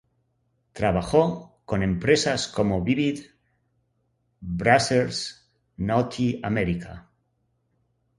Trabajó con empresas como Vivid, Brazzers, Naughty America.